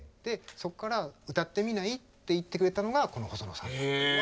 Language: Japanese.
そこから「歌ってみない？」って言ってくれたのがこの細野さん。